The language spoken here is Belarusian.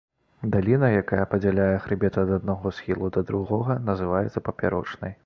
Даліна, якая падзяляе хрыбет ад аднаго схілу да другога, называецца папярочнай.